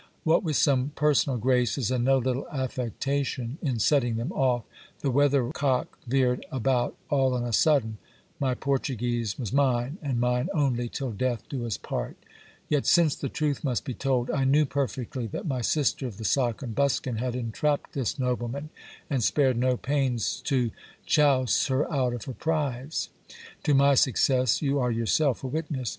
What with some personal graces, and no little affectation in setting them off, the weather cock veered about all on a sudden ; my Portuguese was mine and mine only till death do us part Yet, since the truth must be told, I knew per fectly that my sister of the sock and buskin had entrapped this nobleman, and spared no pains to chouse her out of her prize; to my success you are yourself a witness.